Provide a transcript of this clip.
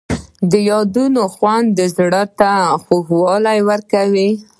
د یادونو خوند زړه ته خوږوالی ورکوي.